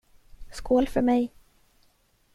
Skål för mig.